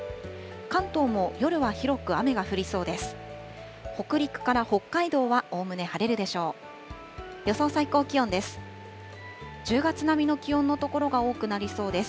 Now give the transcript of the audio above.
関東も夜は広く雨が降りそうです。